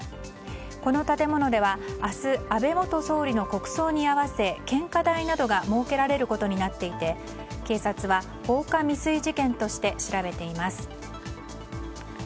この建物は明日安倍元総理の国葬に合わせ献花台などが設けられることになっていて警察は、放火未遂事件として調べています。